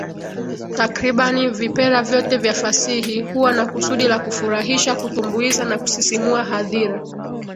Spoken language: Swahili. Takribani vipera vyote vya fasihi huwa na kusudi la kufurahisha, kutumbuiza na kusisimua hadhira.